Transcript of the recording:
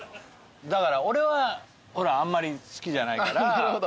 だから俺はほらあんまり好きじゃないから。